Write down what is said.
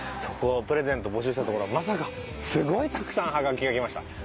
そこをプレゼント募集したところまさかすごいたくさんはがきが来ました。